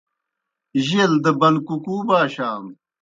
جیل دہ بَنکُکُو باشانوْ۔